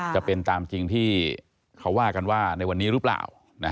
จะเป็นตามจริงที่เขาว่ากันว่าในวันนี้หรือเปล่า